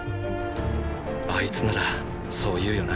あいつならそう言うよな。